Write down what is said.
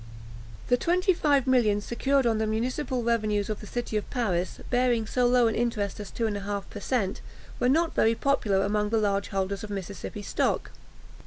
The twenty five millions secured on the municipal revenues of the city of Paris, bearing so low an interest as two and a half per cent, were not very popular among the large holders of Mississippi stock.